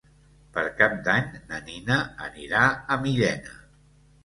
Per Cap d'Any na Nina anirà a Millena.